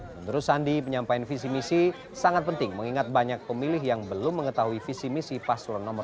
menurut sandi penyampaian visi misi sangat penting mengingat banyak pemilih yang belum mengetahui visi misi paslon nomor dua